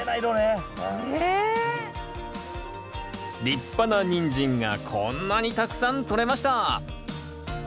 立派なニンジンがこんなにたくさんとれました！